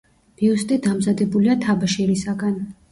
ბიუსტი დამზადებულია თაბაშირისაგან.